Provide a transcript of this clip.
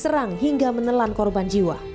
serang hingga menelan korban jiwa